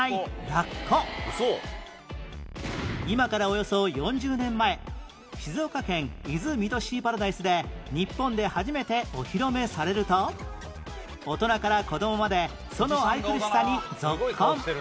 今からおよそ４０年前静岡県伊豆・三津シーパラダイスで日本で初めてお披露目されると大人から子供までその愛くるしさにぞっこん！